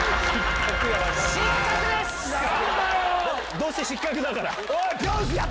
どうせ失格だから。